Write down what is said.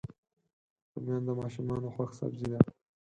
رومیان د ماشومانو خوښ سبزي ده